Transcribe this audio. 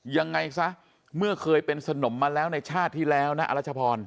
ยังไงซะเมื่อเคยเป็นสนมมาแล้วในชาติที่แล้วนะอรัชพร